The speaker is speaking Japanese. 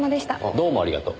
どうもありがとう。